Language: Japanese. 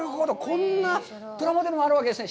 こんなプラモデルのあるわけですね。